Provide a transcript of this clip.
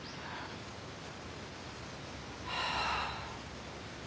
はあ。